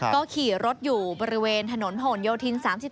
ก็ขี่รถอยู่บริเวณถนนผลโยธิน๓๔